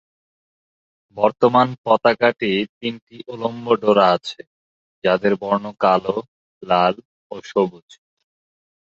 বর্তমান পতাকাটি তিনটি উলম্ব ডোরা আছে, যাদের বর্ণ কালো, লাল, ও সবুজ।